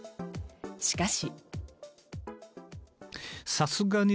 しかし。